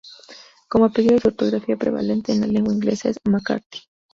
Como apellido, su ortografía prevalente en la lengua inglesa es McCarthy.